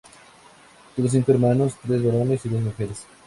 Tuvo cinco hermanos, tres varones y dos mujeres.